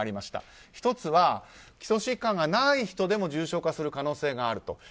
１つは、基礎疾患がない人でも重症化する可能性があると。